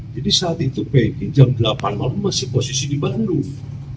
jadi saat itu peggy jam delapan malam masih posisi di bandung